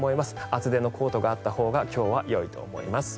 厚手のコートがあったほうが今日はよいと思います。